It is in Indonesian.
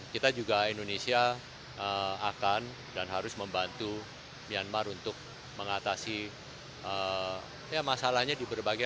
kita juga indonesia akan dan harus membantu myanmar untuk mengatasi masalahnya di berbagai